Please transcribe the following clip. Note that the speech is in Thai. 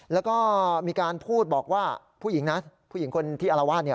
แล้วก็มีการพูดบอกว่าผู้หญิงนะผู้หญิงคนที่อารวาสเนี่ย